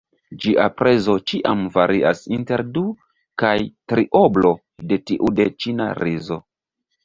Ĝia prezo ĉiam varias inter du- kaj trioblo de tiu de ĉina rizo.